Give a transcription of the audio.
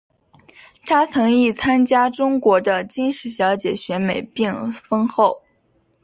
她亦曾参选中国的金石小姐选美并封后。